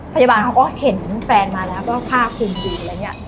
พยาบาลเขาก็เห็นแฟนมาแล้วก็ผ้าคลุมอยู่อะไรอย่างนี้